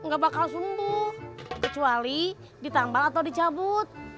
gak bakal sembuh kecuali ditambal atau dicabut